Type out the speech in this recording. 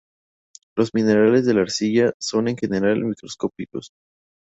Los minerales de la arcilla son en general microscópicos.